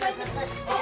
bawa ke rumah pak